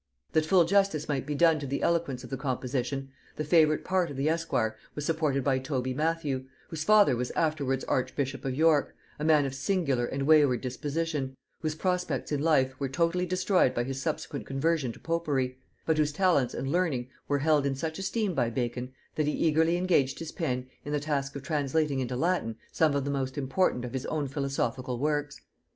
That full justice might be done to the eloquence of the composition, the favorite part of the esquire was supported by Toby Matthew, whose father was afterwards archbishop of York; a man of a singular and wayward disposition, whose prospects in life were totally destroyed by his subsequent conversion to popery; but whose talents and learning were held in such esteem by Bacon, that he eagerly engaged his pen in the task of translating into Latin some of the most important of his own philosophical works.